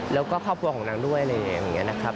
แล้วก็ครอบครัวของนางด้วยอะไรอย่างนี้นะครับ